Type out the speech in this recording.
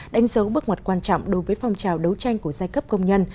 đánh dấu bước ngoặt quan trọng đối với phong trào đấu tranh của giai cấp công nhân